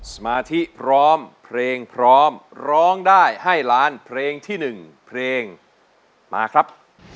สมาธิพร้อมเพลงพร้อมร้องได้ให้ล้านเพลงที่๑เพลงมาครับ